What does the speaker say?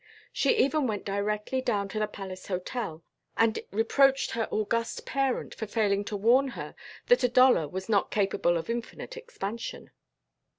She even went directly down to the Palace Hotel and reproached her august parent for failing to warn her that a dollar was not capable of infinite expansion.